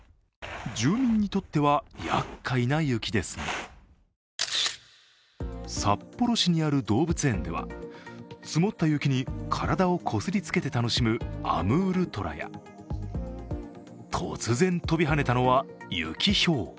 住民にとっては、やっかいな雪ですが札幌市にある動物園では、積もった雪に体をこすりつけて楽しむアムールトラや突然跳びはねたのはユキヒョウ。